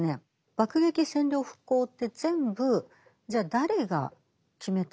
爆撃占領復興って全部じゃあ誰が決めたのか。